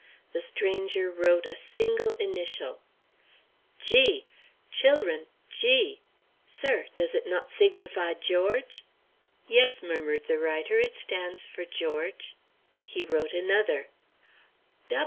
The stranger wrote a single initial. "G! chil'run; G! Sir, does it not signify George?" "Yes," murmured the writer; "it stands for George." He wrote another.